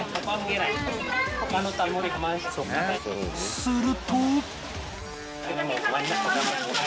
すると。